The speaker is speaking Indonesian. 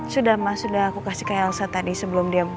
supas lalang kalau tidak sudah